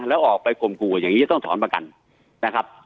แล้วออกไปข่มขู่อย่างนี้จะต้องถอนประกันนะครับ